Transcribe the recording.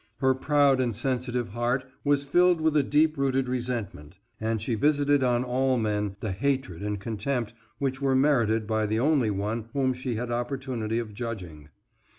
Her proud and sensitive heart was filled with a deep rooted resentment, and she visited on all men the hatred and contempt which were merited by the only one whom she had opportunity of judging.